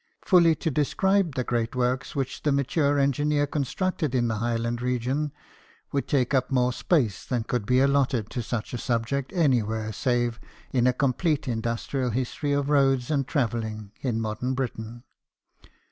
Fully to describe the great work which the mature engineer constructed in the Highland region, would take up more space than could be allotted to such a subject anywhere save in a complete industrial history of roads and travelling in modern Britain.